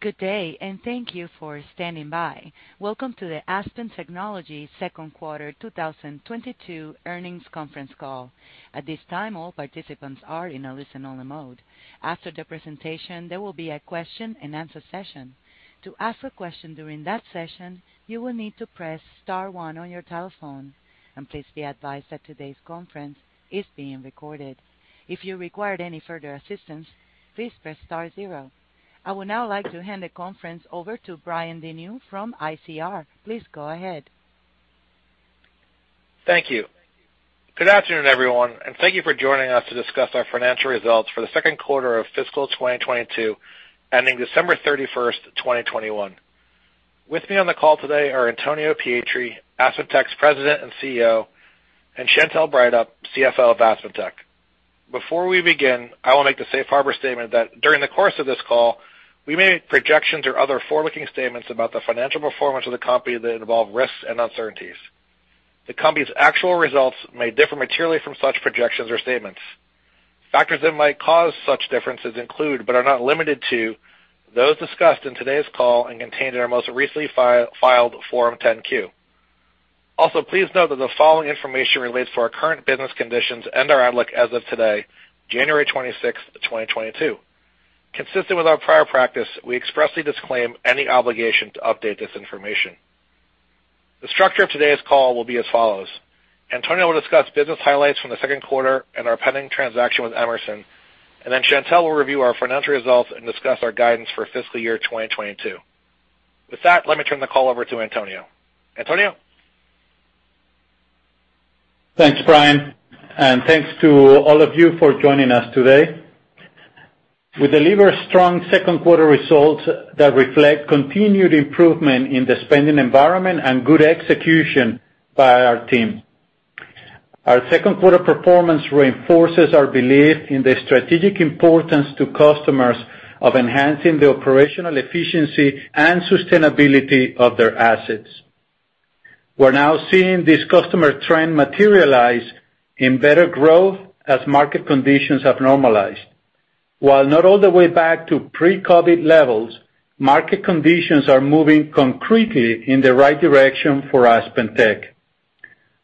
Good day, and thank you for standing by. Welcome to the Aspen Technology second quarter 2022 earnings conference call. At this time, all participants are in a listen-only mode. After the presentation, there will be a question-and-answer session. To ask a question during that session, you will need to press star one on your telephone, and please be advised that today's conference is being recorded. If you require any further assistance, please press star zero. I would now like to hand the conference over to Brian Denyeau from ICR. Please go ahead. Thank you. Good afternoon, everyone, and thank you for joining us to discuss our financial results for the second quarter of fiscal 2022, ending December 31, 2021. With me on the call today are Antonio Pietri, AspenTech's President and CEO, and Chantelle Breithaupt, CFO of AspenTech. Before we begin, I will make the safe harbor statement that during the course of this call, we may make projections or other forward-looking statements about the financial performance of the company that involve risks and uncertainties. The company's actual results may differ materially from such projections or statements. Factors that might cause such differences include, but are not limited to, those discussed in today's call and contained in our most recently filed Form 10-Q. Also, please note that the following information relates to our current business conditions and our outlook as of today, January 26, 2022. Consistent with our prior practice, we expressly disclaim any obligation to update this information. The structure of today's call will be as follows: Antonio will discuss business highlights from the second quarter and our pending transaction with Emerson, and then Chantelle will review our financial results and discuss our guidance for fiscal year 2022. With that, let me turn the call over to Antonio. Antonio? Thanks, Brian, and thanks to all of you for joining us today. We delivered strong second quarter results that reflect continued improvement in the spending environment and good execution by our team. Our second quarter performance reinforces our belief in the strategic importance to customers of enhancing the operational efficiency and sustainability of their assets. We're now seeing this customer trend materialize in better growth as market conditions have normalized. While not all the way back to pre-COVID levels, market conditions are moving concretely in the right direction for AspenTech.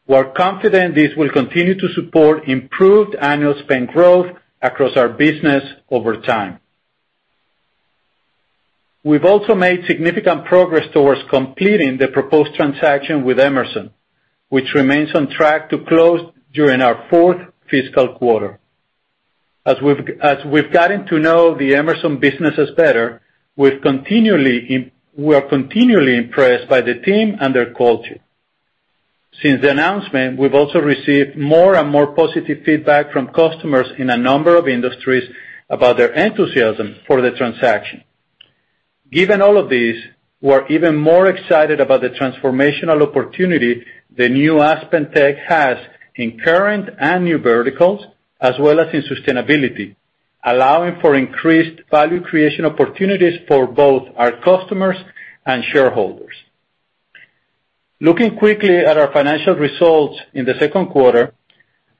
We're confident this will continue to support improved annual spend growth across our business over time. We've also made significant progress towards completing the proposed transaction with Emerson, which remains on track to close during our fourth fiscal quarter. As we've gotten to know the Emerson businesses better, we are continually impressed by the team and their culture. Since the announcement, we've also received more and more positive feedback from customers in a number of industries about their enthusiasm for the transaction. Given all of these, we're even more excited about the transformational opportunity the new AspenTech has in current and new verticals, as well as in sustainability, allowing for increased value creation opportunities for both our customers and shareholders. Looking quickly at our financial results in the second quarter,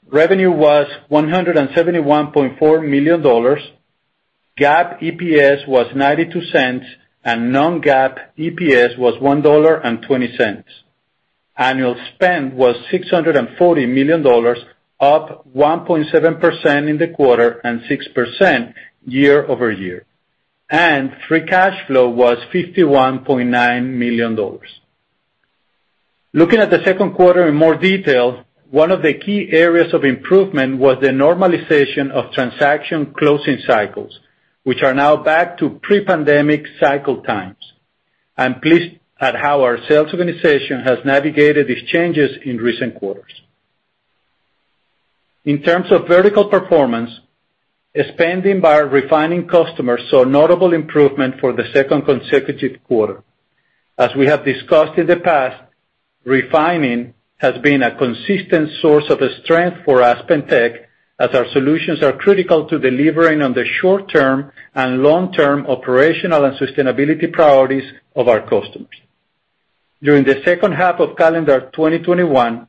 revenue was $171.4 million, GAAP EPS was $0.92, and non-GAAP EPS was $1.20. Annual spend was $640 million, up 1.7% in the quarter and 6% year-over-year. Free cash flow was $51.9 million. Looking at the second quarter in more detail, one of the key areas of improvement was the normalization of transaction closing cycles, which are now back to pre-pandemic cycle times. I'm pleased at how our sales organization has navigated these changes in recent quarters. In terms of vertical performance, spending by our refining customers saw notable improvement for the second consecutive quarter. As we have discussed in the past, refining has been a consistent source of strength for AspenTech as our solutions are critical to delivering on the short-term and long-term operational and sustainability priorities of our customers. During the second half of calendar 2021,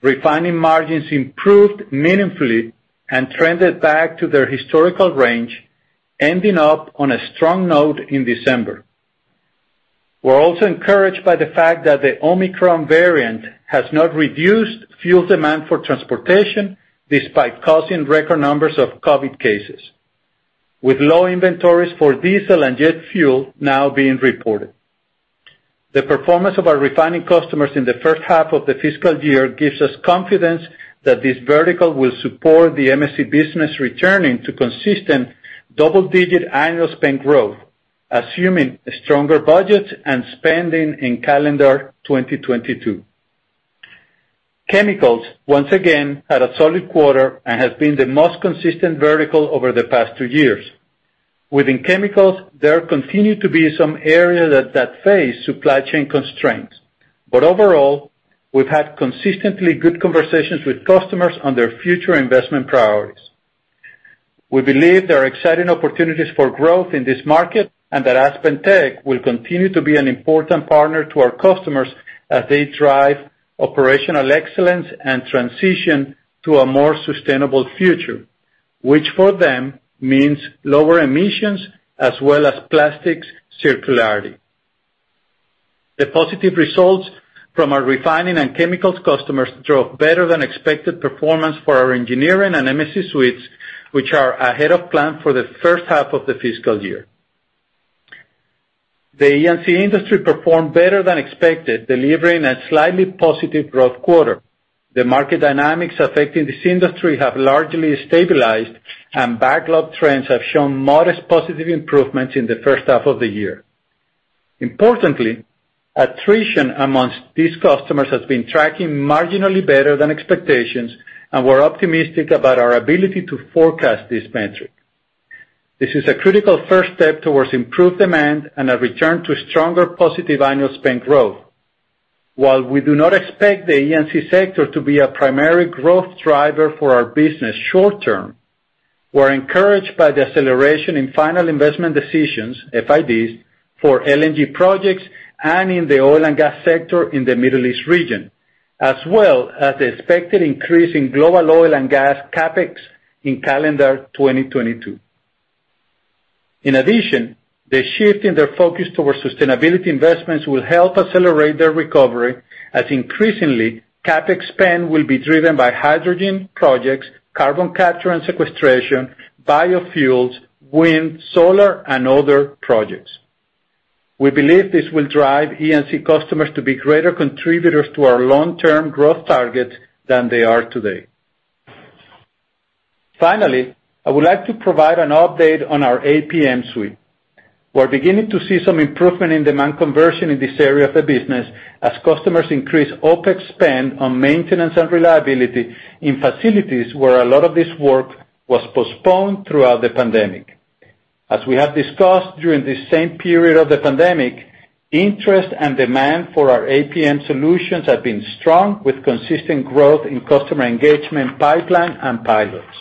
refining margins improved meaningfully and trended back to their historical range, ending up on a strong note in December. We're also encouraged by the fact that the Omicron variant has not reduced fuel demand for transportation, despite causing record numbers of COVID cases, with low inventories for diesel and jet fuel now being reported. The performance of our refining customers in the first half of the fiscal year gives us confidence that this vertical will support the MSC business returning to consistent double-digit annual spend growth, assuming stronger budgets and spending in calendar 2022. Chemicals, once again, had a solid quarter and has been the most consistent vertical over the past two years. Within chemicals, there continue to be some areas that face supply chain constraints. Overall, we've had consistently good conversations with customers on their future investment priorities. We believe there are exciting opportunities for growth in this market, and that AspenTech will continue to be an important partner to our customers as they drive operational excellence and transition to a more sustainable future, which for them means lower emissions as well as plastics circularity. The positive results from our refining and chemicals customers drove better than expected performance for our engineering and MSC suites, which are ahead of plan for the first half of the fiscal year. The E&C industry performed better than expected, delivering a slightly positive growth quarter. The market dynamics affecting this industry have largely stabilized, and backlog trends have shown modest positive improvements in the first half of the year. Importantly, attrition amongst these customers has been tracking marginally better than expectations, and we're optimistic about our ability to forecast this metric. This is a critical first step towards improved demand and a return to stronger positive annual spend growth. While we do not expect the E&C sector to be a primary growth driver for our business short term, we're encouraged by the acceleration in final investment decisions, FIDs, for LNG projects and in the oil and gas sector in the Middle East region, as well as the expected increase in global oil and gas CapEx in calendar 2022. In addition, the shift in their focus towards sustainability investments will help accelerate their recovery, as increasingly, CapEx spend will be driven by hydrogen projects, carbon capture and sequestration, biofuels, wind, solar, and other projects. We believe this will drive E&C customers to be greater contributors to our long-term growth targets than they are today. Finally, I would like to provide an update on our APM suite. We're beginning to see some improvement in demand conversion in this area of the business as customers increase OPEX spend on maintenance and reliability in facilities where a lot of this work was postponed throughout the pandemic. As we have discussed during this same period of the pandemic, interest and demand for our APM solutions have been strong, with consistent growth in customer engagement pipeline and pilots.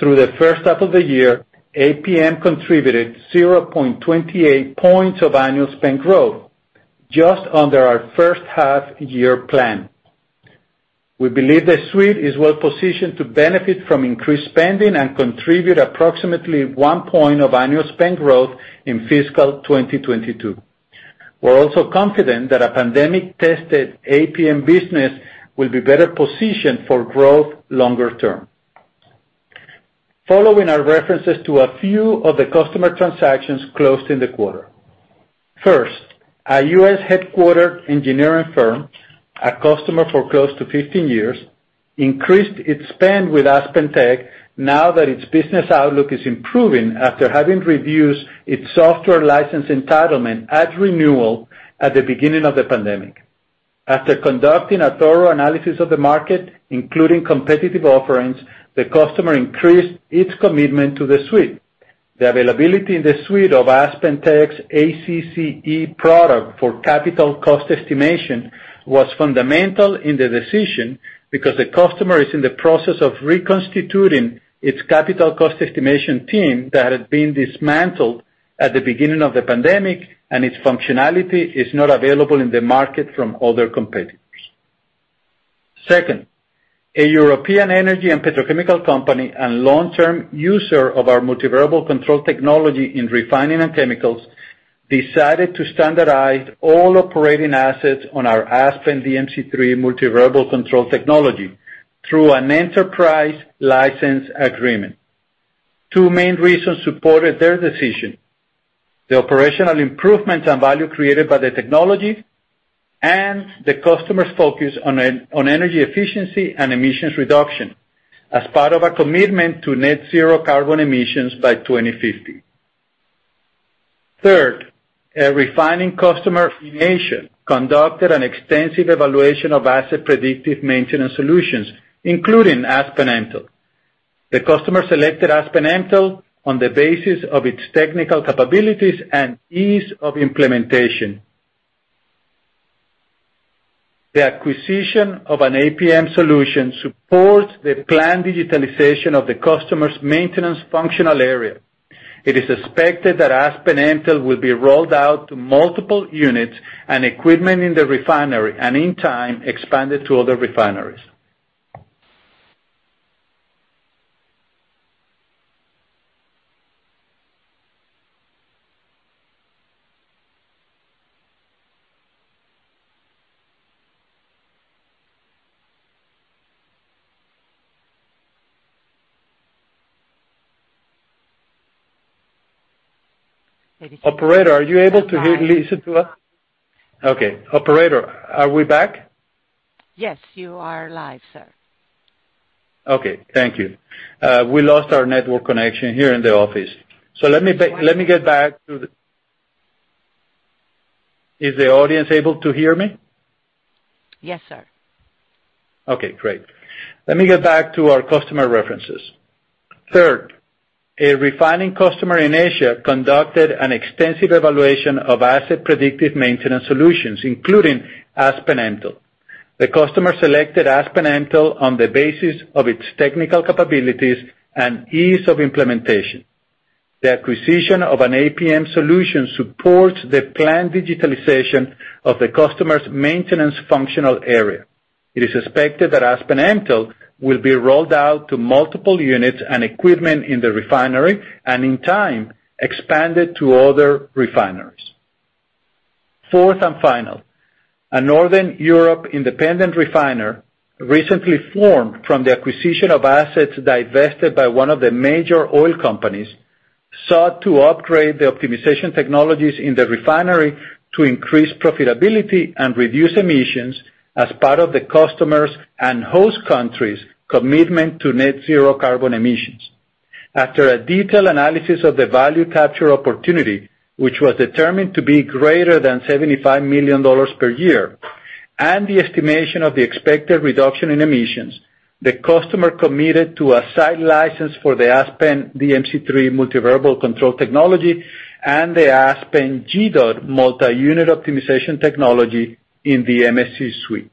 Through the first half of the year, APM contributed 0.28 points of annual spend growth, just under our first half year plan. We believe the suite is well positioned to benefit from increased spending and contribute approximately 1 point of annual spend growth in fiscal 2022. We're also confident that a pandemic-tested APM business will be better positioned for growth longer term. Following are references to a few of the customer transactions closed in the quarter. First, a U.S.-headquartered engineering firm, a customer for close to 15 years, increased its spend with AspenTech now that its business outlook is improving after having reduced its software license entitlement at renewal at the beginning of the pandemic. After conducting a thorough analysis of the market, including competitive offerings, the customer increased its commitment to the suite. The availability in the suite of AspenTech's ACCE product for capital cost estimation was fundamental in the decision because the customer is in the process of reconstituting its capital cost estimation team that had been dismantled at the beginning of the pandemic, and its functionality is not available in the market from other competitors. Second, a European energy and petrochemical company and long-term user of our multivariable control technology in refining and chemicals decided to standardize all operating assets on our Aspen DMC3 multivariable control technology through an enterprise license agreement. Two main reasons supported their decision. The operational improvements and value created by the technology and the customer's focus on energy efficiency and emissions reduction as part of a commitment to net zero carbon emissions by 2050. Third, a refining customer in Asia conducted an extensive evaluation of asset predictive maintenance solutions, including Aspen Mtell. The customer selected Aspen Mtell on the basis of its technical capabilities and ease of implementation. The acquisition of an APM solution supports the planned digitalization of the customer's maintenance functional area. It is expected that Aspen Mtell will be rolled out to multiple units and equipment in the refinery and, in time, expanded to other refineries. Operator, are you able to hear us? Listen to us? Okay. Operator, are we back? Yes, you are live, sir. Okay, thank you. We lost our network connection here in the office. Let me get back to the. Is the audience able to hear me? Yes, sir. Okay, great. Let me get back to our customer references. Third, a refining customer in Asia conducted an extensive evaluation of asset predictive maintenance solutions, including Aspen Mtell. The customer selected Aspen Mtell on the basis of its technical capabilities and ease of implementation. The acquisition of an APM solution supports the planned digitalization of the customer's maintenance functional area. It is expected that Aspen Mtell will be rolled out to multiple units and equipment in the refinery and in time expanded to other refineries. Fourth and final, a Northern Europe independent refiner, recently formed from the acquisition of assets divested by one of the major oil companies, sought to upgrade the optimization technologies in the refinery to increase profitability and reduce emissions as part of the customer's and host country's commitment to net zero carbon emissions. After a detailed analysis of the value capture opportunity, which was determined to be greater than $75 million per year, and the estimation of the expected reduction in emissions, the customer committed to a site license for the Aspen DMC3 multivariable control technology and the Aspen GDOT multi-unit optimization technology in the MSC suite.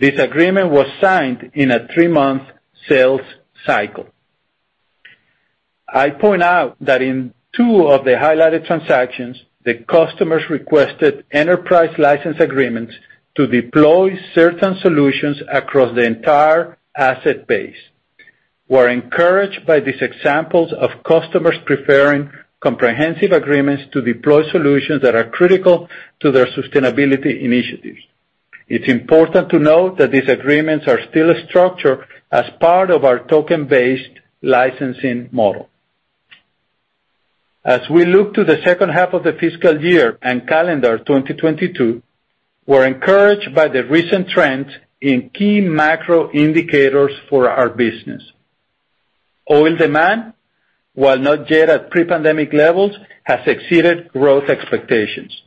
This agreement was signed in a 3-month sales cycle. I point out that in 2 of the highlighted transactions, the customers requested enterprise license agreements to deploy certain solutions across the entire asset base. We're encouraged by these examples of customers preferring comprehensive agreements to deploy solutions that are critical to their sustainability initiatives. It's important to note that these agreements are still structured as part of our token-based licensing model. As we look to the second half of the fiscal year and calendar 2022, we're encouraged by the recent trends in key macro indicators for our business. Oil demand, while not yet at pre-pandemic levels, has exceeded growth expectations.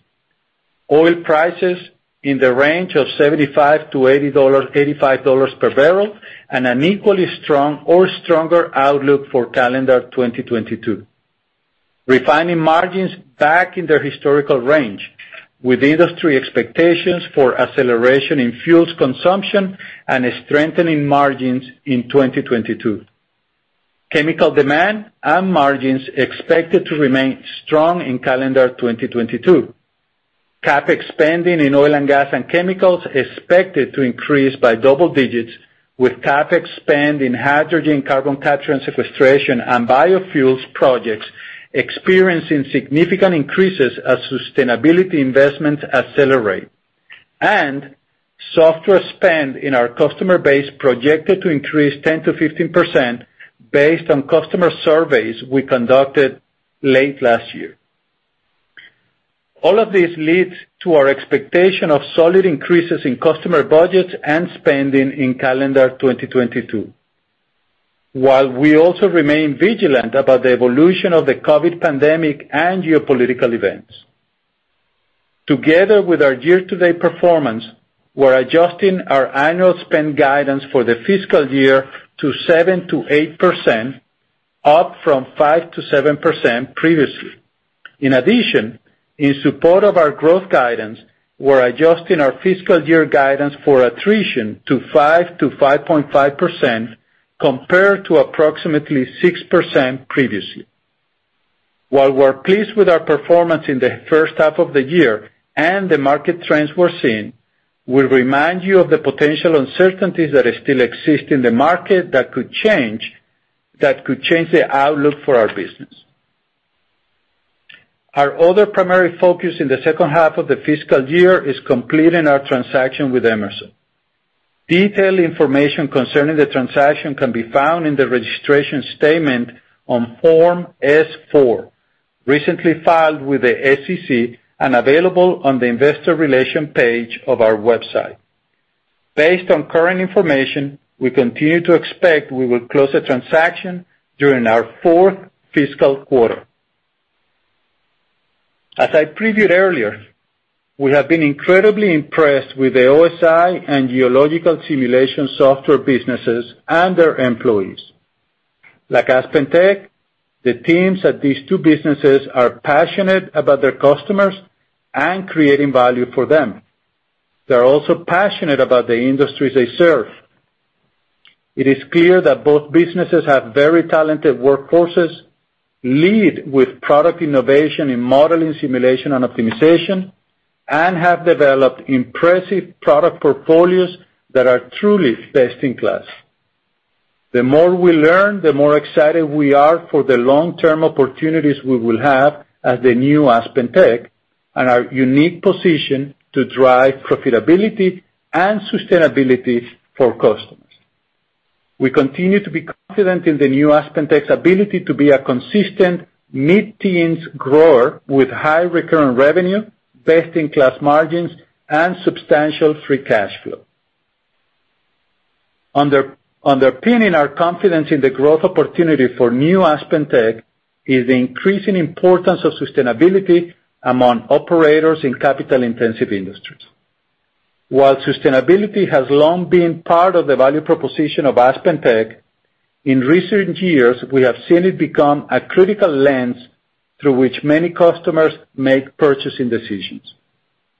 Oil prices in the range of $75-$85 per barrel, and an equally strong or stronger outlook for calendar 2022. Refining margins back in their historical range, with industry expectations for acceleration in fuels consumption and strengthening margins in 2022. Chemical demand and margins expected to remain strong in calendar 2022. CapEx spending in oil and gas and chemicals expected to increase by double digits, with CapEx spend in hydrogen, carbon capture and sequestration, and biofuels projects experiencing significant increases as sustainability investments accelerate. Software spend in our customer base projected to increase 10%-15% based on customer surveys we conducted late last year. All of this leads to our expectation of solid increases in customer budgets and spending in calendar 2022. While we also remain vigilant about the evolution of the COVID pandemic and geopolitical events. Together with our year-to-date performance, we're adjusting our annual spend guidance for the fiscal year to 7%-8%, up from 5%-7% previously. In addition, in support of our growth guidance, we're adjusting our fiscal year guidance for attrition to 5%-5.5% compared to approximately 6% previously. While we're pleased with our performance in the first half of the year and the market trends we're seeing, we remind you of the potential uncertainties that still exist in the market that could change the outlook for our business. Our other primary focus in the second half of the fiscal year is completing our transaction with Emerson. Detailed information concerning the transaction can be found in the registration statement on Form S-4, recently filed with the SEC and available on the investor relations page of our website. Based on current information, we continue to expect we will close the transaction during our fourth fiscal quarter. As I previewed earlier, we have been incredibly impressed with the OSI Inc. and Geological Simulation Software businesses and their employees. Like AspenTech, the teams at these two businesses are passionate about their customers and creating value for them. They're also passionate about the industries they serve. It is clear that both businesses have very talented workforces, lead with product innovation in modeling, simulation, and optimization, and have developed impressive product portfolios that are truly best in class. The more we learn, the more excited we are for the long-term opportunities we will have as the new AspenTech and our unique position to drive profitability and sustainability for customers. We continue to be confident in the new AspenTech's ability to be a consistent mid-teens grower with high recurrent revenue, best-in-class margins, and substantial free cash flow. Underpinning our confidence in the growth opportunity for new AspenTech is the increasing importance of sustainability among operators in capital-intensive industries. While sustainability has long been part of the value proposition of AspenTech, in recent years, we have seen it become a critical lens through which many customers make purchasing decisions.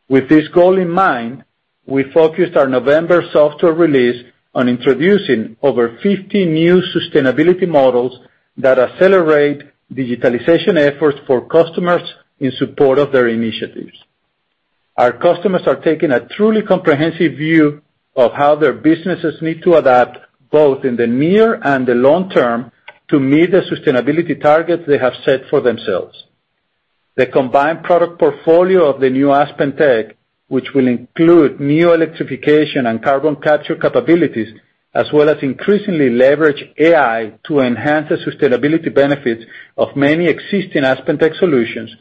With this goal in mind, we focused our November software release on introducing over 50 new sustainability models that accelerate digitalization efforts for customers in support of their initiatives. Our customers are taking a truly comprehensive view of how their businesses need to adapt, both in the near and the long term, to meet the sustainability targets they have set for themselves. The combined product portfolio of the new AspenTech, which will include new electrification and carbon capture capabilities, as well as increasingly leverage AI to enhance the sustainability benefits of many existing AspenTech solutions,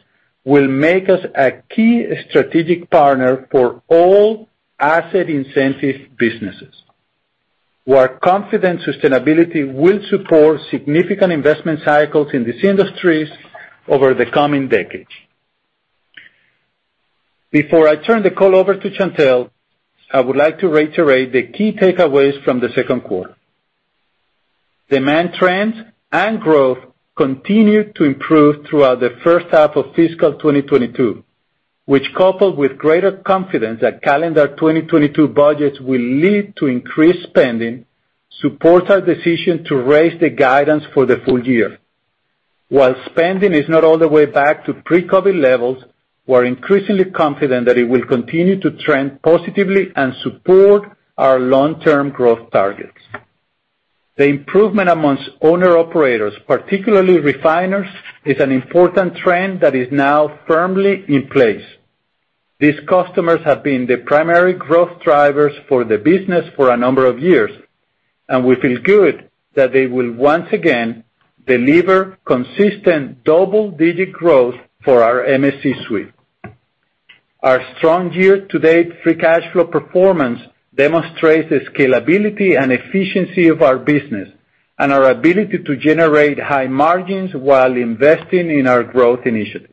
will make us a key strategic partner for all asset-intensive businesses. We're confident sustainability will support significant investment cycles in these industries over the coming decades. Before I turn the call over to Chantelle, I would like to reiterate the key takeaways from the second quarter. Demand trends and growth continued to improve throughout the first half of fiscal 2022, which, coupled with greater confidence that calendar 2022 budgets will lead to increased spending, supports our decision to raise the guidance for the full year. While spending is not all the way back to pre-COVID levels, we're increasingly confident that it will continue to trend positively and support our long-term growth targets. The improvement amongst owner-operators, particularly refiners, is an important trend that is now firmly in place. These customers have been the primary growth drivers for the business for a number of years, and we feel good that they will once again deliver consistent double-digit growth for our MSC suite. Our strong year-to-date free cash flow performance demonstrates the scalability and efficiency of our business and our ability to generate high margins while investing in our growth initiatives.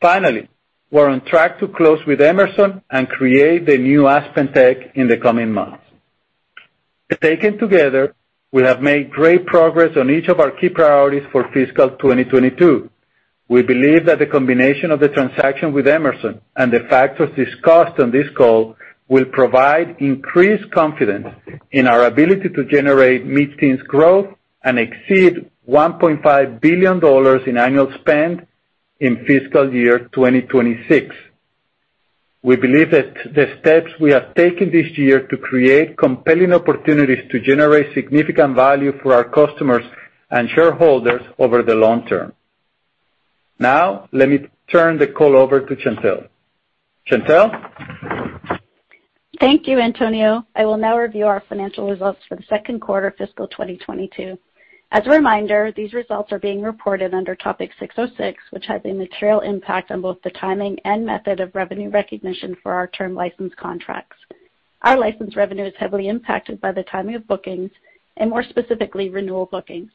Finally, we're on track to close with Emerson and create the new AspenTech in the coming months. Taken together, we have made great progress on each of our key priorities for fiscal 2022. We believe that the combination of the transaction with Emerson and the factors discussed on this call will provide increased confidence in our ability to generate mid-teens growth and exceed $1.5 billion in annual spend in fiscal year 2026. We believe that the steps we have taken this year to create compelling opportunities to generate significant value for our customers and shareholders over the long term. Now, let me turn the call over to Chantelle. Chantelle? Thank you, Antonio. I will now review our financial results for the second quarter of fiscal 2022. As a reminder, these results are being reported under ASC Topic 606, which has a material impact on both the timing and method of revenue recognition for our term license contracts. Our license revenue is heavily impacted by the timing of bookings, and more specifically, renewal bookings.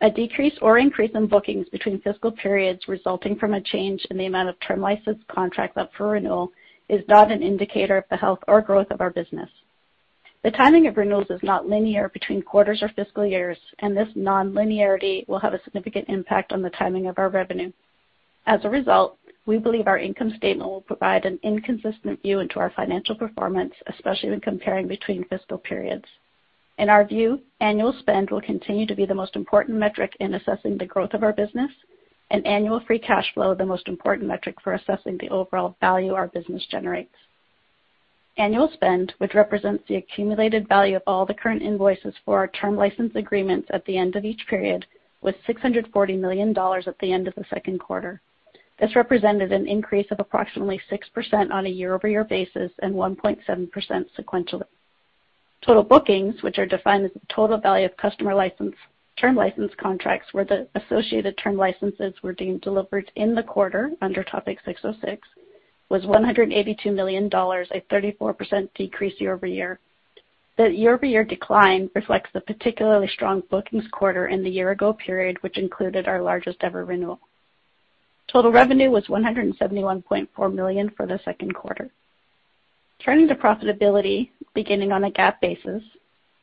A decrease or increase in bookings between fiscal periods resulting from a change in the amount of term license contracts up for renewal is not an indicator of the health or growth of our business. The timing of renewals is not linear between quarters or fiscal years, and this non-linearity will have a significant impact on the timing of our revenue. As a result, we believe our income statement will provide an inconsistent view into our financial performance, especially when comparing between fiscal periods. In our view, annual spend will continue to be the most important metric in assessing the growth of our business. Annual free cash flow, the most important metric for assessing the overall value our business generates. Annual spend, which represents the accumulated value of all the current invoices for our term license agreements at the end of each period, was $640 million at the end of the second quarter. This represented an increase of approximately 6% on a year-over-year basis and 1.7% sequentially. Total bookings, which are defined as the total value of customer term license contracts where the associated term licenses were deemed delivered in the quarter under Topic 606, was $182 million, a 34% decrease year-over-year. The year-over-year decline reflects the particularly strong bookings quarter in the year ago period, which included our largest ever renewal. Total revenue was $171.4 million for the second quarter. Turning to profitability, beginning on a GAAP basis,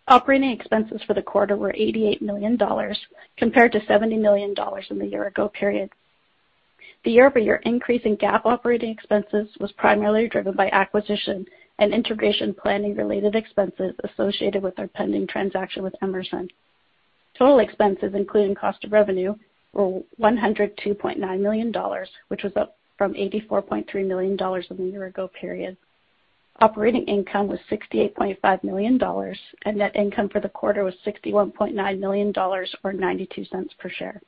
operating expenses for the quarter were $88 million, compared to $70 million in the year ago period. The year-over-year increase in GAAP operating expenses was primarily driven by acquisition and integration planning-related expenses associated with our pending transaction with Emerson. Total expenses, including cost of revenue, were $102.9 million, which was up from $84.3 million in the year ago period. Operating income was $68.5 million, and net income for the quarter was $61.9 million, or $0.92 per share.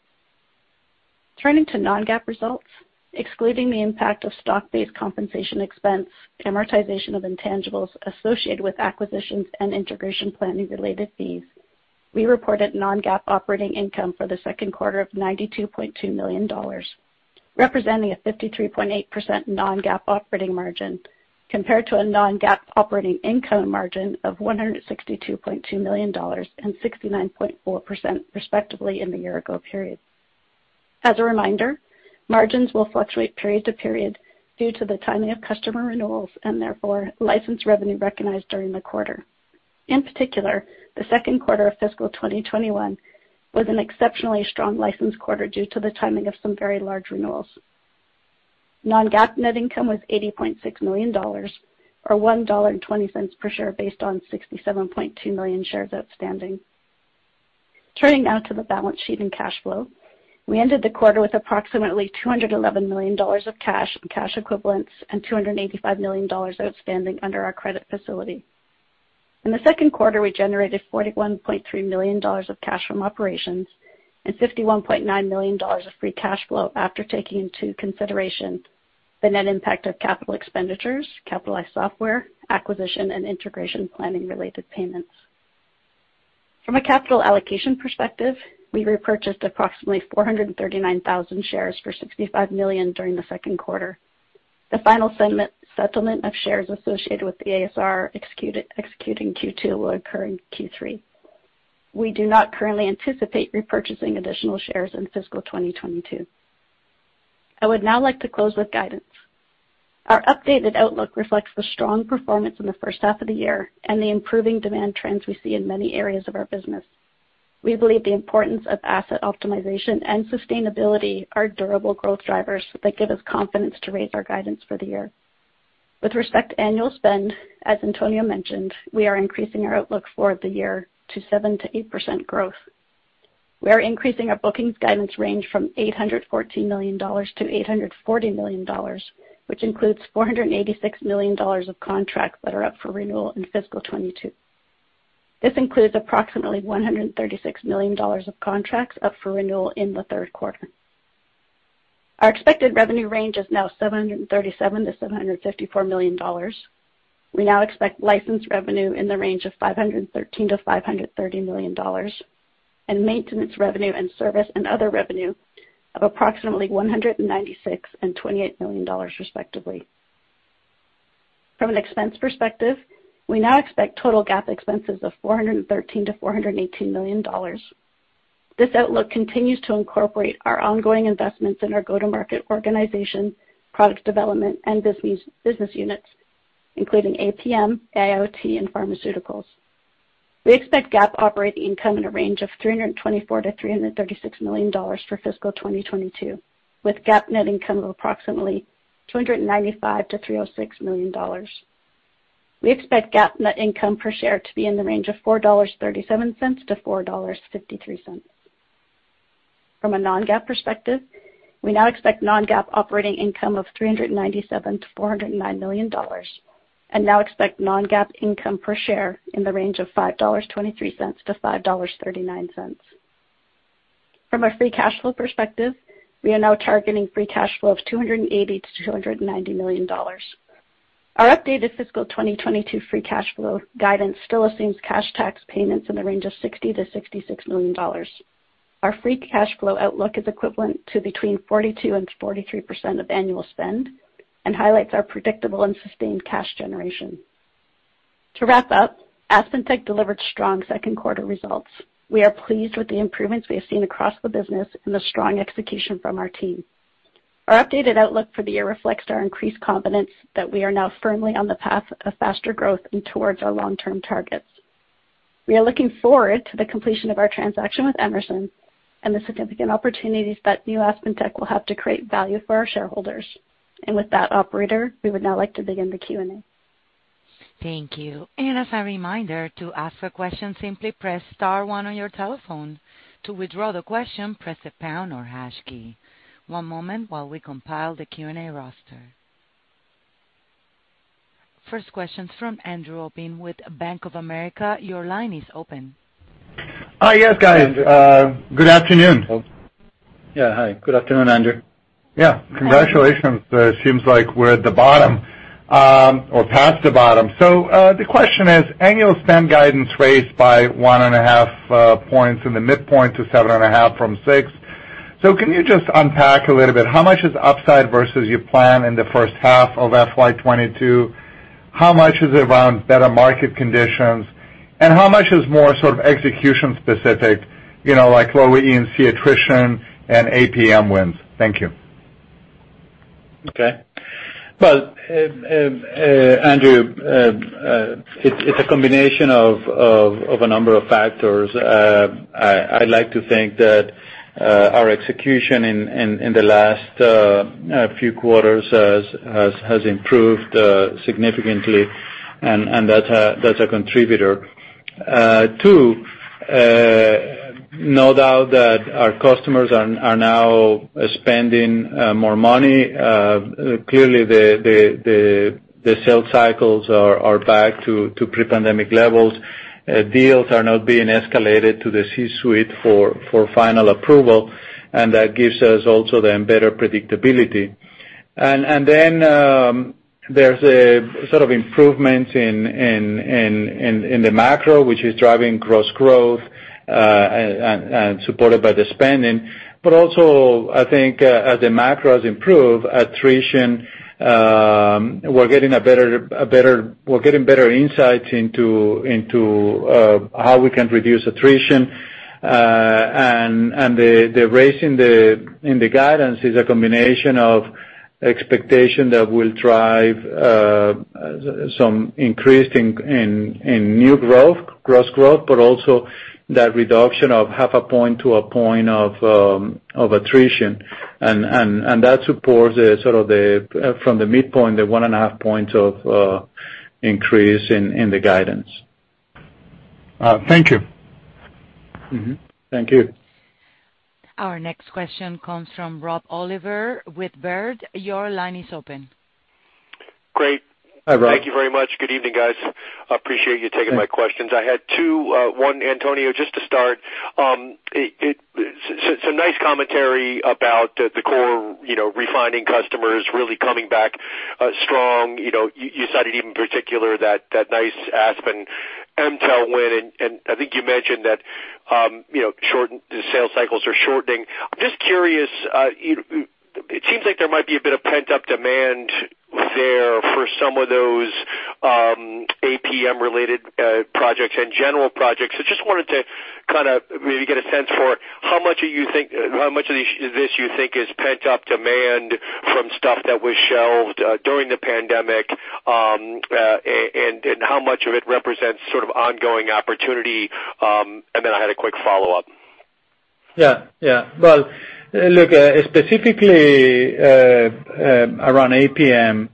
Turning to non-GAAP results, excluding the impact of stock-based compensation expense, amortization of intangibles associated with acquisitions and integration planning-related fees, we reported non-GAAP operating income for the second quarter of $92.2 million, representing a 53.8% non-GAAP operating margin, compared to a non-GAAP operating income margin of $162.2 million and 69.4%, respectively, in the year ago period. As a reminder, margins will fluctuate period to period due to the timing of customer renewals and therefore license revenue recognized during the quarter. In particular, the second quarter of fiscal 2021 was an exceptionally strong license quarter due to the timing of some very large renewals. Non-GAAP net income was $80.6 million or $1.20 per share based on 67.2 million shares outstanding. Turning now to the balance sheet and cash flow. We ended the quarter with approximately $211 million of cash and cash equivalents and $285 million outstanding under our credit facility. In the second quarter, we generated $41.3 million of cash from operations and $51.9 million of free cash flow after taking into consideration the net impact of capital expenditures, capitalized software, acquisition, and integration planning related payments. From a capital allocation perspective, we repurchased approximately 439,000 shares for $65 million during the second quarter. The final segment settlement of shares associated with the ASR executed in Q2 will occur in Q3. We do not currently anticipate repurchasing additional shares in fiscal 2022. I would now like to close with guidance. Our updated outlook reflects the strong performance in the first half of the year and the improving demand trends we see in many areas of our business. We believe the importance of asset optimization and sustainability are durable growth drivers that give us confidence to raise our guidance for the year. With respect to annual spend, as Antonio mentioned, we are increasing our outlook for the year to 7%-8% growth. We are increasing our bookings guidance range from $814 million to $840 million, which includes $486 million of contracts that are up for renewal in FY 2022. This includes approximately $136 million of contracts up for renewal in the third quarter. Our expected revenue range is now $737 million-$754 million. We now expect license revenue in the range of $513 million-$530 million, and maintenance revenue and service and other revenue of approximately $196 million and $28 million, respectively. From an expense perspective, we now expect total GAAP expenses of $413 million-$418 million. This outlook continues to incorporate our ongoing investments in our go-to-market organization, product development, and business units, including APM, IoT, and pharmaceuticals. We expect GAAP operating income in a range of $324 million-$336 million for fiscal 2022, with GAAP net income of approximately $295 million-$306 million. We expect GAAP net income per share to be in the range of $4.37-$4.53. From a non-GAAP perspective, we now expect non-GAAP operating income of $397 million-$409 million, and now expect non-GAAP income per share in the range of $5.23-$5.39. From a free cash flow perspective, we are now targeting free cash flow of $280 million-$290 million. Our updated fiscal 2022 free cash flow guidance still assumes cash tax payments in the range of $60 million-$66 million. Our free cash flow outlook is equivalent to between 42%-43% of annual spend and highlights our predictable and sustained cash generation. To wrap up, AspenTech delivered strong second quarter results. We are pleased with the improvements we have seen across the business and the strong execution from our team. Our updated outlook for the year reflects our increased confidence that we are now firmly on the path of faster growth and towards our long-term targets. We are looking forward to the completion of our transaction with Emerson and the significant opportunities that new AspenTech will have to create value for our shareholders. With that operator, we would now like to begin the Q&A. First questions from Andrew Obin with Bank of America. Your line is open. Hi, yes guys, good afternoon. Yeah. Hi. Good afternoon, Andrew. Yeah. Congratulations. It seems like we're at the bottom or past the bottom. The question is annual spend guidance raised by 1.5 points in the midpoint to 7.5 from six. Can you just unpack a little bit how much is upside versus your plan in the first half of FY 2022? How much is around better market conditions, and how much is more sort of execution specific, you know, like lower E&C attrition and APM wins? Thank you. Okay. Well, Andrew, it's a combination of a number of factors. I'd like to think that our execution in the last few quarters has improved significantly, and that's a contributor. Too, no doubt that our customers are now spending more money. Clearly the sales cycles are back to pre-pandemic levels. Deals are now being escalated to the C-suite for final approval, and that gives us also then better predictability. There's a sort of improvements in the macro, which is driving gross growth, and supported by the spending. also I think, as the macros improve attrition, we're getting better insights into how we can reduce attrition. The raise in the guidance is a combination of expectation that we'll drive some increase in new growth, gross growth, but also that reduction of half a point to a point of attrition. That supports sort of, from the midpoint, the one and a half points of Increase in the guidance. Thank you. Thank you. Our next question comes from Rob Oliver with Baird. Your line is open. Great. Hi, Rob. Thank you very much. Good evening, guys. Appreciate you taking my questions. I had two. One, Antonio, just to start, so nice commentary about the core, you know, refining customers really coming back strong. You know, you cited even particularly that nice Aspen Mtell win and I think you mentioned that, you know, the sales cycles are shortening. I'm just curious, it seems like there might be a bit of pent-up demand there for some of those APM-related projects and general projects. So just wanted to kinda maybe get a sense for how much of this you think is pent-up demand from stuff that was shelved during the pandemic and how much of it represents sort of ongoing opportunity? I had a quick follow-up. Yeah. Well, look, specifically, around APM,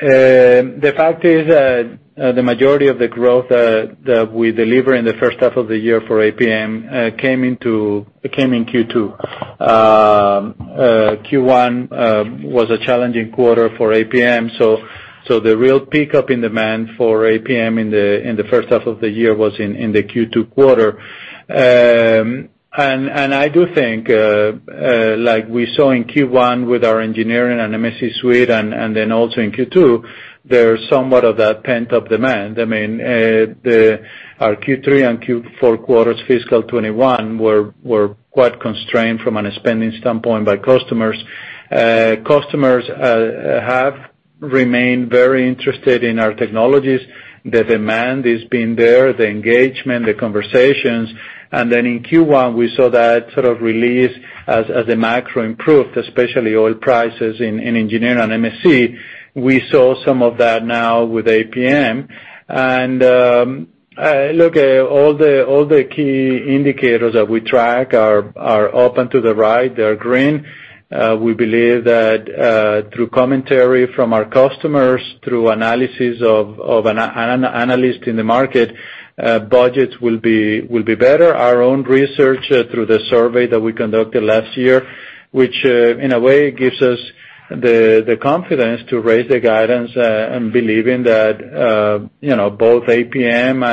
the fact is that the majority of the growth that we deliver in the first half of the year for APM came in Q2. Q1 was a challenging quarter for APM. The real pickup in demand for APM in the first half of the year was in the Q2 quarter. I do think like we saw in Q1 with our engineering and MSC suite and then also in Q2, there's somewhat of that pent-up demand. I mean, our Q3 and Q4 quarters fiscal 2021 were quite constrained from a spending standpoint by customers. Customers have remained very interested in our technologies. The demand has been there, the engagement, the conversations. In Q1, we saw that sort of release as the macro improved, especially oil prices in engineering and MSC. We saw some of that now with APM. Look, all the key indicators that we track are open to the right, they're green. We believe that through commentary from our customers, through analysis of an analyst in the market, budgets will be better. Our own research through the survey that we conducted last year, which in a way gives us the confidence to raise the guidance, and believing that you know, both APM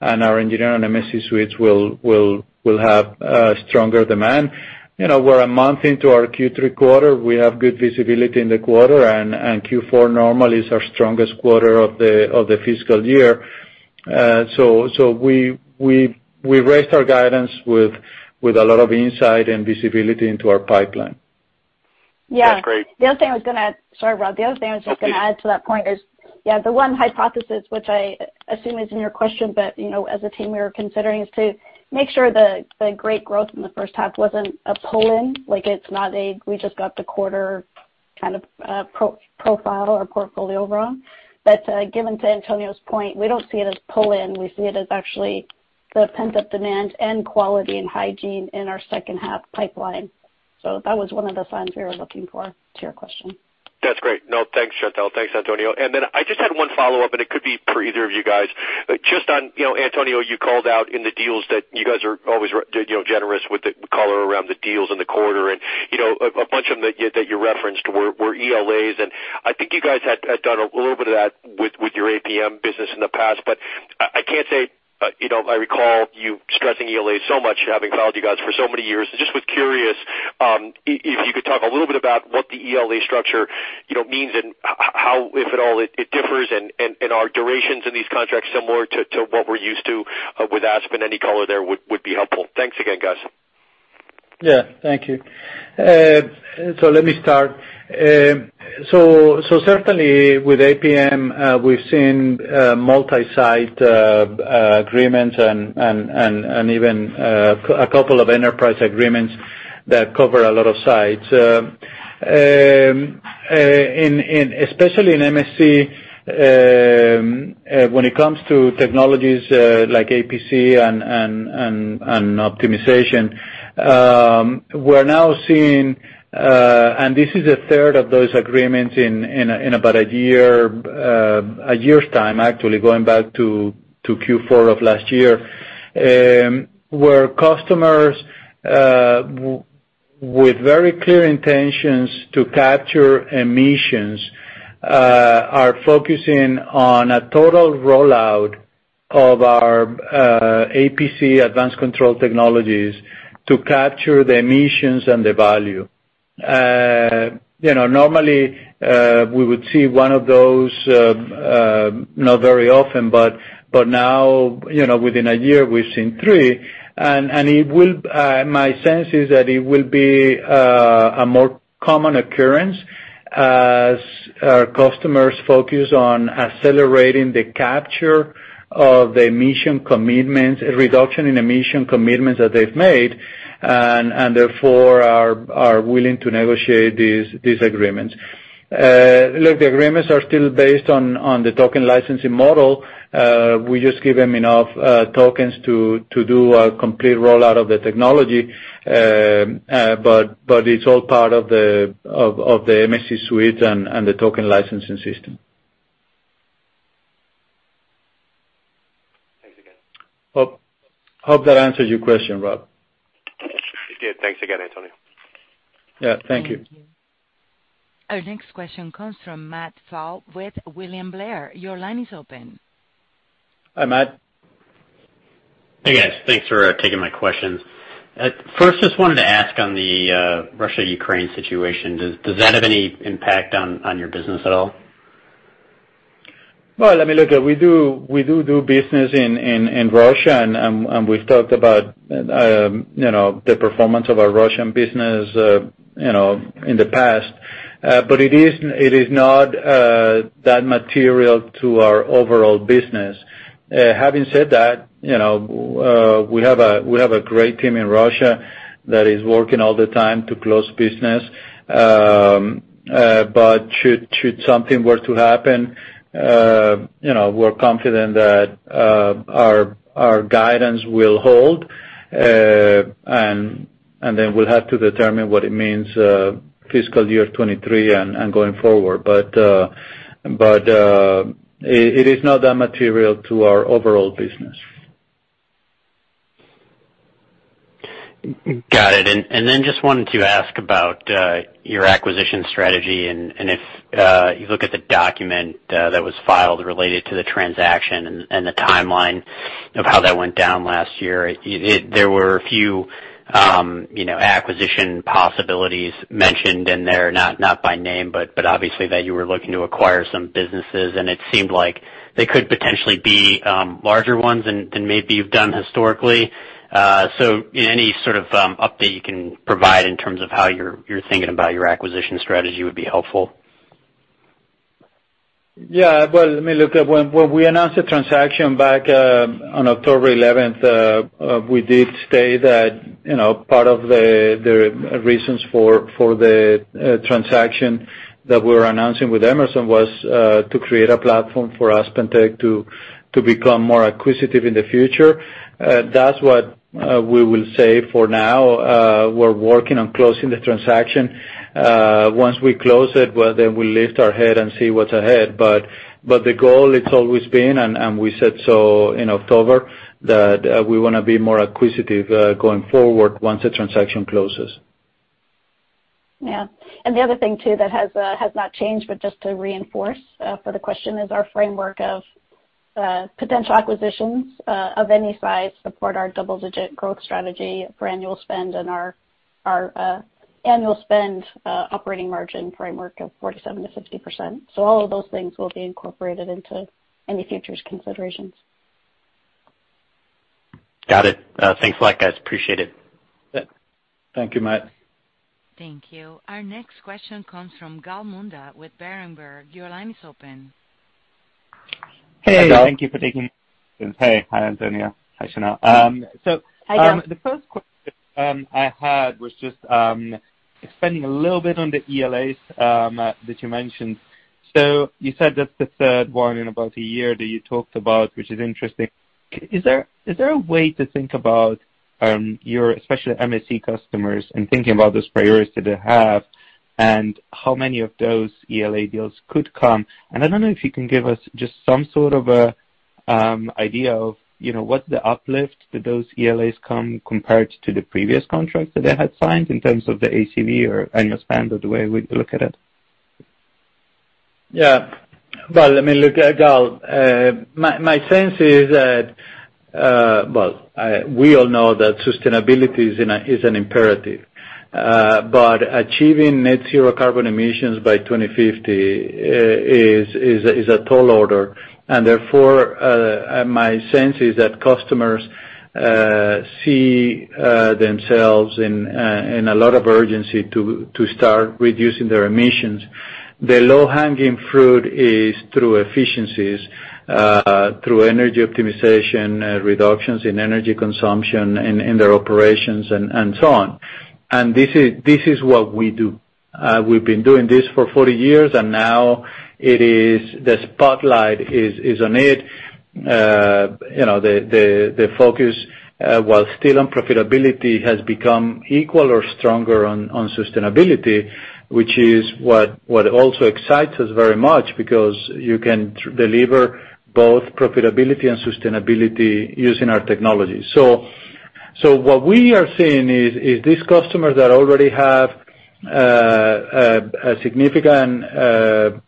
and our engineering and MSC suites will have stronger demand. You know, we're a month into our Q3 quarter. We have good visibility in the quarter, and Q4 normally is our strongest quarter of the fiscal year. We raised our guidance with a lot of insight and visibility into our pipeline. That's great. Yeah. The other thing I was gonna add. Sorry, Rob. The other thing I was just gonna add to that point is, yeah, the one hypothesis, which I assume is in your question, but you know, as a team we were considering, is to make sure the great growth in the first half wasn't a pull-in, like it's not a we just got the quarter kind of pro-profile or portfolio wrong. Given to Antonio's point, we don't see it as pull-in. We see it as actually the pent-up demand and quality and hygiene in our second half pipeline. That was one of the signs we were looking for to your question. That's great. No, thanks, Chantelle. Thanks, Antonio. Then I just had one follow-up, and it could be for either of you guys. Just on, you know, Antonio, you called out in the deals that you guys are always you know, generous with the color around the deals in the quarter. You know, a bunch of them that you referenced were ELAs, and I think you guys had done a little bit of that with your APM business in the past. I can't say, you know, I recall you stressing ELAs so much, having followed you guys for so many years. just curious if you could talk a little bit about what the ELA structure, you know, means and how, if at all, it differs and are durations in these contracts similar to what we're used to with Aspen. Any color there would be helpful. Thanks again, guys. Yeah. Thank you. So let me start. So certainly with APM, we've seen multi-site agreements and even a couple of enterprise agreements that cover a lot of sites. Especially in MSC, when it comes to technologies like APC and optimization, we're now seeing, and this is a third of those agreements in about a year, a year's time, actually going back to Q4 of last year, where customers with very clear intentions to capture emissions are focusing on a total rollout of our APC advanced control technologies to capture the emissions and the value. You know, normally we would see one of those not very often, but now, you know, within a year, we've seen three. It will be a more common occurrence as our customers focus on accelerating the capture of the emissions commitments, reduction in emissions commitments that they've made, and therefore are willing to negotiate these agreements. Look, the agreements are still based on the token licensing model. We just give them enough tokens to do a complete rollout of the technology. But it's all part of the MSC suite and the token licensing system. Hope that answers your question, Rob. It did. Thanks again, Antonio. Yeah, thank you. Our next question comes from Matt Pfau with William Blair. Your line is open. Hi, Matt. Hey, guys. Thanks for taking my questions. First, just wanted to ask on the Russia-Ukraine situation. Does that have any impact on your business at all? Well, I mean, look, we do business in Russia, and we've talked about, you know, the performance of our Russian business, you know, in the past. It is not that material to our overall business. Having said that, you know, we have a great team in Russia that is working all the time to close business. Should something were to happen, you know, we're confident that our guidance will hold. Then we'll have to determine what it means, fiscal year 2023 and going forward. It is not that material to our overall business. Got it. Just wanted to ask about your acquisition strategy and if you look at the document that was filed related to the transaction and the timeline of how that went down last year, there were a few, you know, acquisition possibilities mentioned in there, not by name, but obviously that you were looking to acquire some businesses and it seemed like they could potentially be larger ones than maybe you've done historically. Any sort of update you can provide in terms of how you're thinking about your acquisition strategy would be helpful. Yeah. Well, I mean, look, when we announced the transaction back on October eleventh, we did state that, you know, part of the reasons for the transaction that we're announcing with Emerson was to create a platform for AspenTech to become more acquisitive in the future. That's what we will say for now. We're working on closing the transaction. Once we close it, well, then we'll lift our head and see what's ahead. The goal it's always been, and we said so in October, that we wanna be more acquisitive going forward once the transaction closes. Yeah. The other thing too that has not changed, but just to reinforce for the question is our framework of potential acquisitions of any size support our double-digit growth strategy for annual spend and our annual spend operating margin framework of 47%-60%. All of those things will be incorporated into any future considerations. Got it. Thanks a lot, guys. Appreciate it. Yeah. Thank you, Matt. Thank you. Our next question comes from Gal Munda with Berenberg. Your line is open. Hey, Gal. Thank you for taking this. Hey. Hi, Antonio. Hi, Chantelle. Hi, Gal. The first question I had was just expanding a little bit on the ELAs that you mentioned. You said that's the third one in about a year that you talked about, which is interesting. Is there a way to think about your especially MSC customers and thinking about this priority they have and how many of those ELA deals could come? I don't know if you can give us just some sort of a idea of, you know, what the uplift that those ELAs come compared to the previous contracts that they had signed in terms of the ACV or annual spend or the way we look at it. Yeah. Well, I mean, look, Gal, my sense is that, well, we all know that sustainability is an imperative, but achieving net zero carbon emissions by 2050 is a tall order. Therefore, my sense is that customers see themselves in a lot of urgency to start reducing their emissions. The low-hanging fruit is through efficiencies, through energy optimization, reductions in energy consumption in their operations and so on. This is what we do. We've been doing this for 40 years, and now the spotlight is on it. You know, the focus, while still on profitability, has become equal or stronger on sustainability, which is what also excites us very much because you can deliver both profitability and sustainability using our technology. So what we are seeing is these customers that already have a significant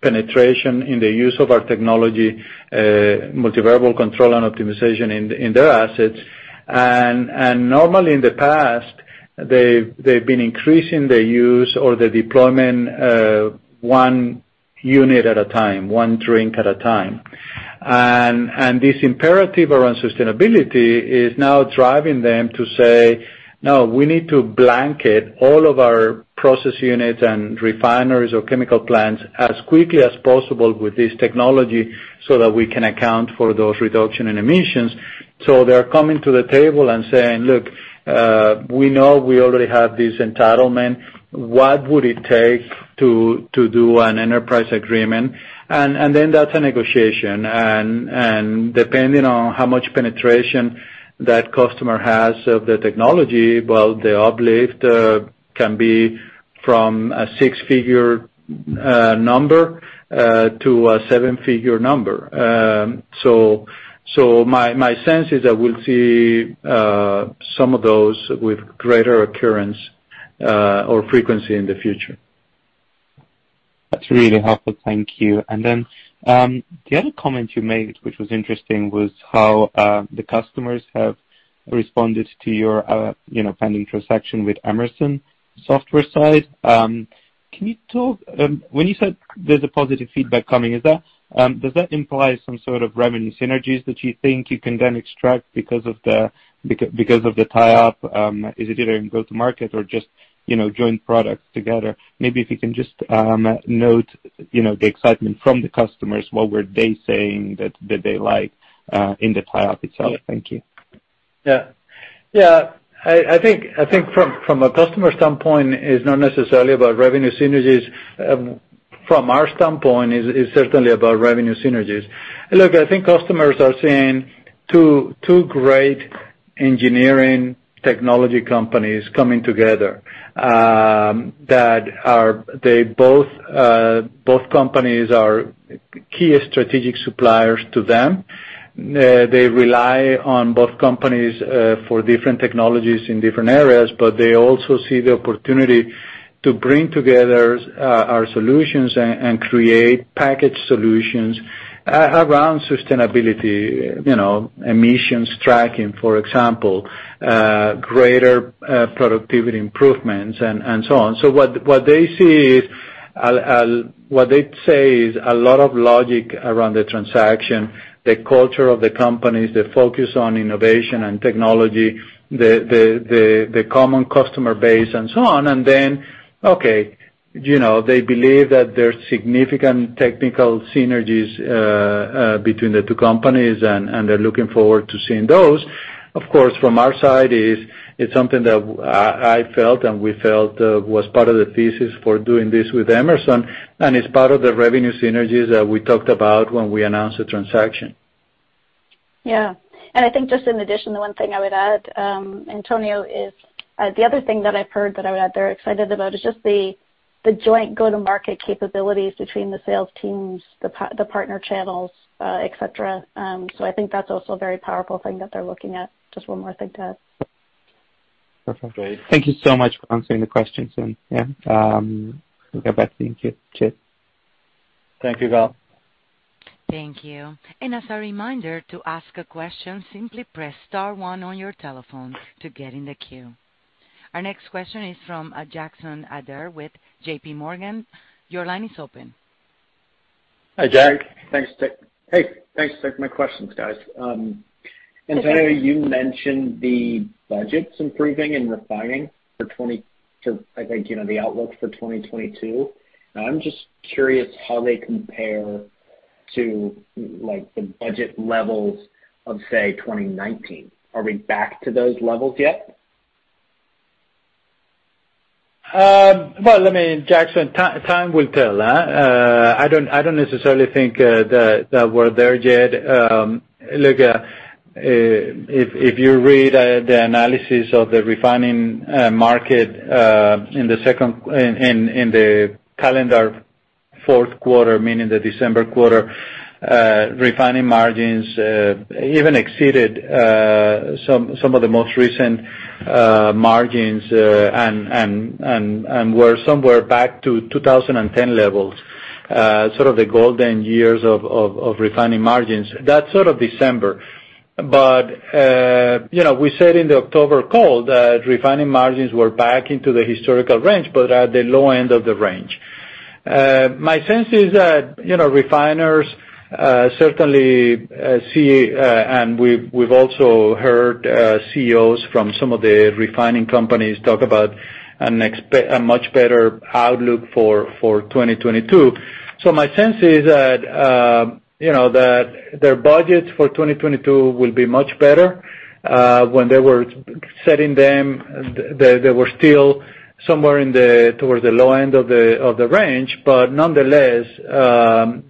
penetration in the use of our technology, multivariable control and optimization in their assets. Normally in the past, they've been increasing their use or the deployment, one unit at a time, one plant at a time. This imperative around sustainability is now driving them to say, "No, we need to blanket all of our process units and refineries or chemical plants as quickly as possible with this technology so that we can account for those reduction in emissions." They're coming to the table and saying, "Look, we know we already have this entitlement. What would it take to do an enterprise agreement?" Then that's a negotiation. Depending on how much penetration that customer has of the technology, well, the uplift can be from a six-figure number to a seven-figure number. My sense is that we'll see some of those with greater occurrence or frequency in the future. That's really helpful. Thank you. The other comment you made, which was interesting, was how the customers have responded to your, you know, pending transaction with Emerson software side. When you said there's positive feedback coming, is that does that imply some sort of revenue synergies that you think you can then extract because of the tie-up? Is it either in go-to-market or just, you know, joint products together? Maybe if you can just note, you know, the excitement from the customers. What were they saying that they like in the tie-up itself? Thank you. Yeah. I think from a customer standpoint, it's not necessarily about revenue synergies. From our standpoint, it's certainly about revenue synergies. Look, I think customers are seeing two great engineering technology companies coming together that are they both companies are key strategic suppliers to them. They rely on both companies for different technologies in different areas, but they also see the opportunity to bring together our solutions and create package solutions around sustainability, you know, emissions tracking, for example, greater productivity improvements and so on. So what they see is a. What they say is a lot of logic around the transaction, the culture of the companies, the focus on innovation and technology, the common customer base and so on. you know, they believe that there are significant technical synergies between the two companies and they're looking forward to seeing those. Of course, from our side, it's something that I felt and we felt was part of the thesis for doing this with Emerson, and it's part of the revenue synergies that we talked about when we announced the transaction. Yeah. I think just in addition, the one thing I would add, Antonio, is the other thing that I've heard that I would add they're excited about is just the joint go-to-market capabilities between the sales teams, the partner channels, et cetera. I think that's also a very powerful thing that they're looking at. Just one more thing to add. Perfect. Great. Thank you so much for answering the questions. Yeah, I think I'm back to you, Chip. Thank you, Gal. Thank you. As a reminder, to ask a question, simply press star one on your telephone to get in the queue. Our next question is from Jackson Ader with J.P. Morgan. Your line is open. Hi, Jack. Thanks. Hey, thanks. Take my questions, guys. Antonio, you mentioned the budgets improving in refining for 2020, I think, you know, the outlook for 2022. Now, I'm just curious how they compare to, like, the budget levels of, say, 2019. Are we back to those levels yet? Well, I mean, Jackson, time will tell. I don't necessarily think that we're there yet. Look, if you read the analysis of the refining market in the calendar fourth quarter, meaning the December quarter, refining margins even exceeded some of the most recent margins and were somewhere back to 2010 levels, sort of the golden years of refining margins. That's sort of December. You know, we said in the October call that refining margins were back into the historical range, but at the low end of the range. My sense is that, you know, refiners certainly see, and we've also heard CEOs from some of the refining companies talk about a much better outlook for 2022. My sense is that, you know, that their budgets for 2022 will be much better. When they were setting them, they were still somewhere towards the low end of the range, but nonetheless,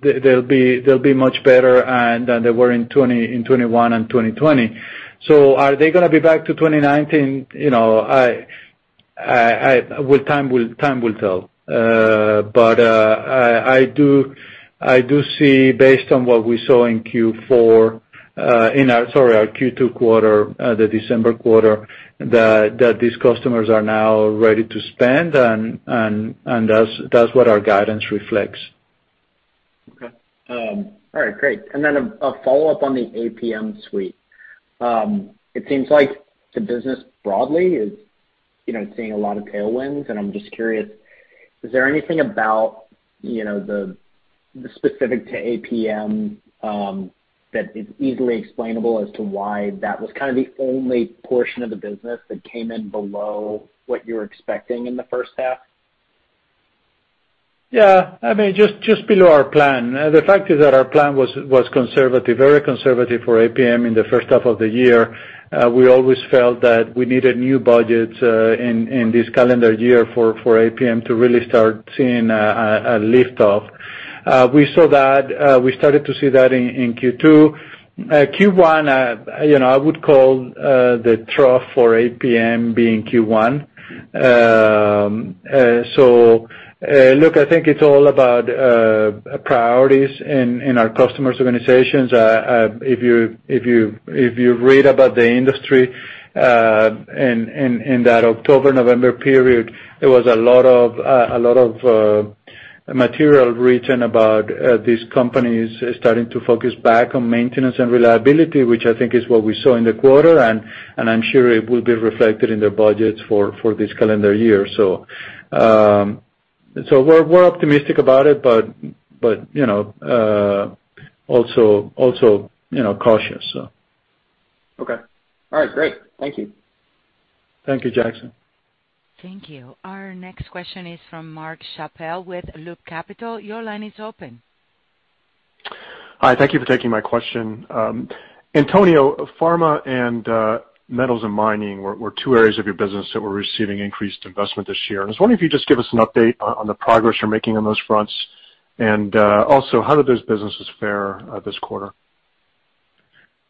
they'll be much better than they were in 2021 and 2020. Are they gonna be back to 2019? You know, time will tell. I do see based on what we saw in Q4 in our Q2 quarter, the December quarter, that these customers are now ready to spend and that's what our guidance reflects. Okay. All right, great. A follow-up on the APM suite. It seems like the business broadly is, you know, seeing a lot of tailwinds, and I'm just curious, is there anything about, you know, the specific to APM, that is easily explainable as to why that was kind of the only portion of the business that came in below what you're expecting in the first half? Yeah. I mean, just below our plan. The fact is that our plan was conservative, very conservative for APM in the first half of the year. We always felt that we needed new budgets in this calendar year for APM to really start seeing a lift off. We saw that, we started to see that in Q2. Q1, you know, I would call the trough for APM being Q1. Look, I think it's all about priorities in our customers' organizations. If you read about the industry in that October-November period, there was a lot of material written about these companies starting to focus back on maintenance and reliability, which I think is what we saw in the quarter, and I'm sure it will be reflected in their budgets for this calendar year. We're optimistic about it, but you know also you know cautious, so. Okay. All right. Great. Thank you. Thank you, Jackson. Thank you. Our next question is from Mark Schappel with Loop Capital. Your line is open. Hi. Thank you for taking my question. Antonio, pharma and metals and mining were two areas of your business that were receiving increased investment this year. I was wondering if you could just give us an update on the progress you're making on those fronts, and also how did those businesses fare this quarter?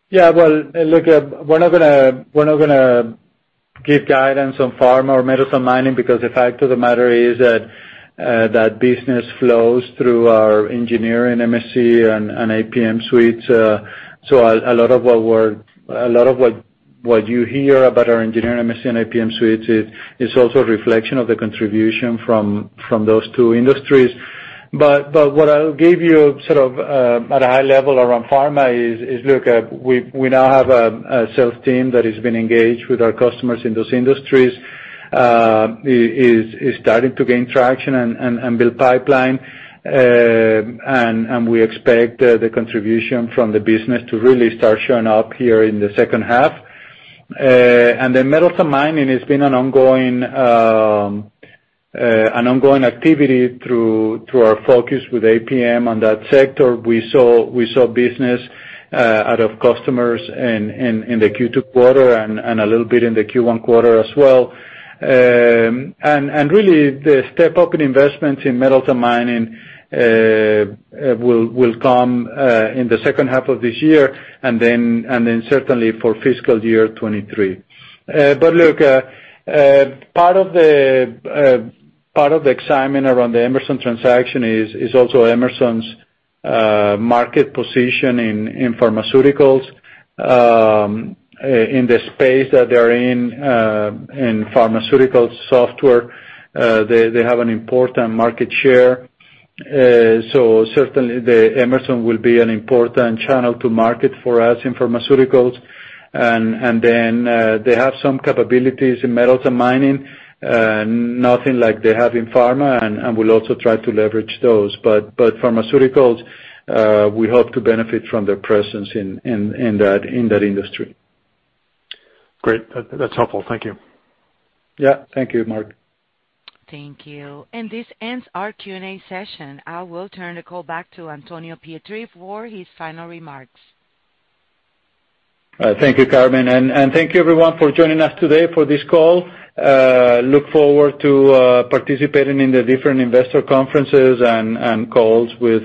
Yeah. Well, look, we're not gonna give guidance on pharma or metals and mining because the fact of the matter is that that business flows through our engineering MSC and APM suites. So, a lot of what you hear about our engineering MSC and APM suites is also a reflection of the contribution from those two industries. What I'll give you sort of at a high level around pharma is, look, we now have a sales team that has been engaged with our customers in those industries. Is starting to gain traction and build pipeline. And we expect the contribution from the business to really start showing up here in the second half. Metals and mining has been an ongoing activity through our focus with APM on that sector. We saw business out of customers in the Q2 quarter and a little bit in the Q1 quarter as well. Really the step-up in investments in metals and mining will come in the second half of this year and then certainly for fiscal year 2023. Look, part of the excitement around the Emerson transaction is also Emerson's market position in pharmaceuticals. In the space that they're in pharmaceutical software, they have an important market share. Certainly the Emerson will be an important channel to market for us in pharmaceuticals. They have some capabilities in metals and mining, nothing like they have in pharma, and we'll also try to leverage those. Pharmaceuticals, we hope to benefit from their presence in that industry. Great. That's helpful. Thank you. Yeah. Thank you, Mark. Thank you. This ends our Q&A session. I will turn the call back to Antonio Pietri for his final remarks. Thank you, Carmen. Thank you everyone for joining us today for this call. I look forward to participating in the different investor conferences and calls with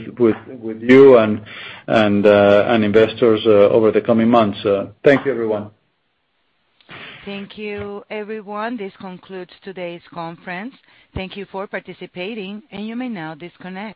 you and investors over the coming months. Thank you, everyone. Thank you, everyone. This concludes today's conference. Thank you for participating, and you may now disconnect.